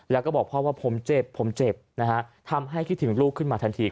แล้วก็บอกพ่อว่าผมเจ็บผมเจ็บนะฮะทำให้คิดถึงลูกขึ้นมาทันที